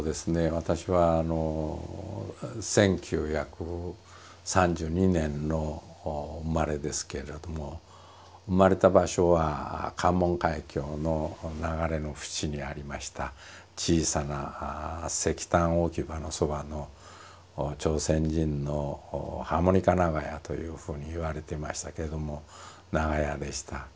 私は１９３２年の生まれですけれども生まれた場所は関門海峡の流れの縁にありました小さな石炭置き場のそばの朝鮮人の「ハーモニカ長屋」というふうに言われてましたけども長屋でした。